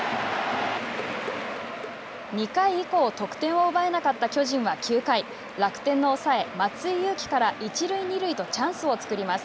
２回以降得点を奪えなかった巨人は９回楽天の抑え松井裕樹から一塁二塁とチャンスを作ります。